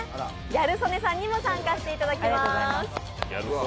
ギャル曽根さんにも参加していただきます。